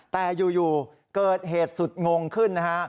แต่อยู่เกิดเหตุสุดงงขึ้นนะฮะ